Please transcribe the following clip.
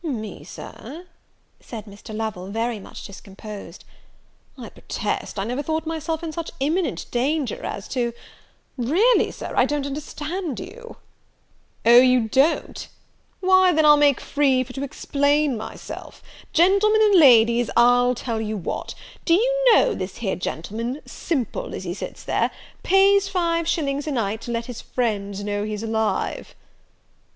"Me, Sir!" said Mr. Lovel, very much discomposed; "I protest I never thought myself in such imminent danger as to really, Sir, I don't understand you." "O, you don't! why then I'll make free for to explain myself. Gentlemen and Ladies, I'll tell you what; do you know this here gentleman, simple as he sits there, pays five shillings a night to let his friends know he's alive!"